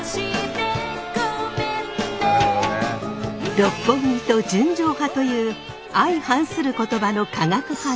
「六本木」と「純情派」という相反する言葉の化学反応。